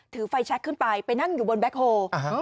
ถือไฟแชคขึ้นไปไปนั่งอยู่บนแบ็คโฮ